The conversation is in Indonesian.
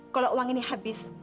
kalau uang ini habis